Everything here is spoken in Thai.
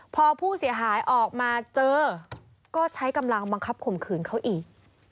พอผู้เสียหายออกมาเจอก็ใช้กำลังบังคับข่มขืนเขาอีก